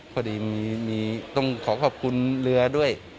พอดีมีต้องขอขอบคุณเรือด้วย